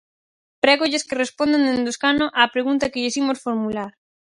Prégolles que respondan dende o escano á pregunta que lles imos formular.